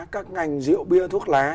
các ngành rượu bia thuốc lá